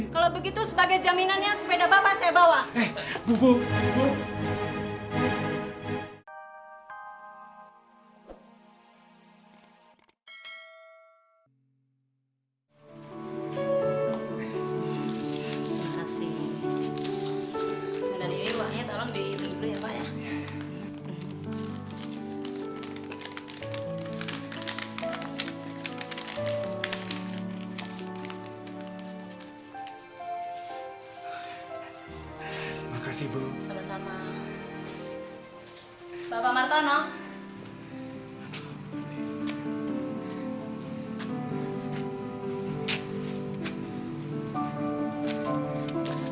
kalau begitu sebagai jaminannya sepeda bapak saya bawa